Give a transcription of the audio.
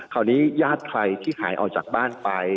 คราวนี้ญาติใครที่หายออกจากบ้านไป